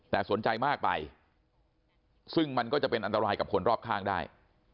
แต่สนใจมากไปซึ่งมันก็จะเป็นอันตรายกับคนรอบข้างได้